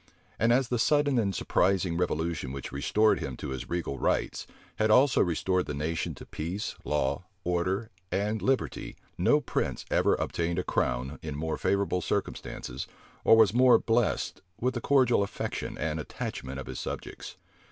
And as the sudden and surprising revolution which restored him to his regal rights, had also restored the nation to peace, law, order, and liberty, no prince ever obtained a crown in more favorable circumstances, or was more blessed with the cordial affection and attachment of his subjects.